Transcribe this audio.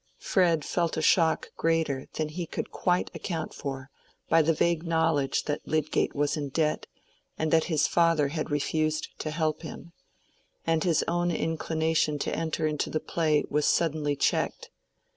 Fred felt a shock greater than he could quite account for by the vague knowledge that Lydgate was in debt, and that his father had refused to help him; and his own inclination to enter into the play was suddenly checked.